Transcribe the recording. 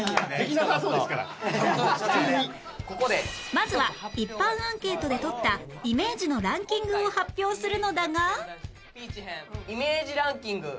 まずは一般アンケートで取ったイメージのランキングを発表するのだが